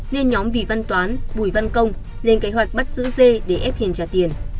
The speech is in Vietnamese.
nên nhóm vị văn toán bùi văn công lên kế hoạch bắt giữ dê để ép hiền trả tiền